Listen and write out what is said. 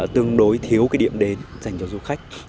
tương đối thiếu cái điểm đến dành cho du khách